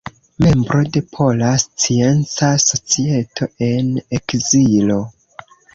Membro de Pola Scienca Societo en Ekzilo.